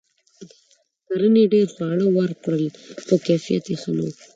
کرنې ډیر خواړه ورکړل؛ خو کیفیت یې ښه نه و.